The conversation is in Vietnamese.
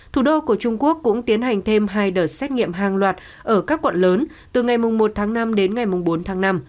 thủ đô của trung quốc cũng tiến hành thêm hai đợt xét nghiệm hàng loạt ở các quận lớn từ ngày một tháng năm đến ngày bốn tháng năm